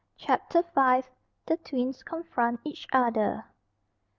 CHAPTER V. THE TWINS CONFRONT EACH OTHER.